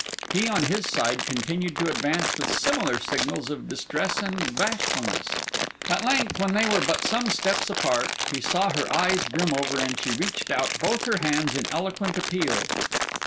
He on his side continued to advance with similar signals of distress and bashfulness. At length, when they were but some steps apart, he saw her eyes brim over, and she reached out both her hands in eloquent appeal.